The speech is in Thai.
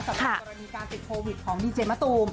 สำหรับกรณีการติดโควิดของดีเจมะตูม